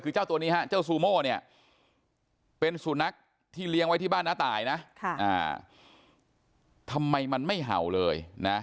คือเจ้าตัวนี้ฮะเจ้าซูโม่เนี่ยเป็นสุนัขที่เลี้ยงไว้ที่บ้านน้าตายนะทำไมมันไม่เห่าเลยนะ